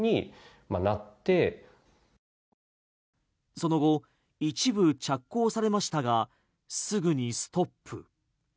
その後、一部着工されましたがすぐにストップ。